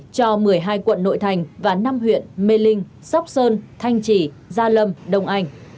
cho một mươi hai quận nội thành và năm huyện mê linh sóc sơn thanh trì gia lâm đông anh